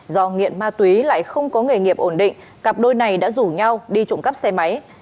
do nghiện ma túy lại không có nghề nghiệp ổn định cặp đôi này đã rủ nhau đi trộm cắp xe máy